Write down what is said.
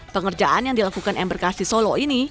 pengerjaan yang dilakukan ember kasi solo ini